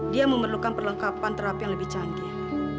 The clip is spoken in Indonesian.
dia memerlukan perlengkapan terapi yang lebih canggih